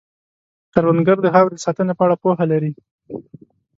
کروندګر د خاورې د ساتنې په اړه پوهه لري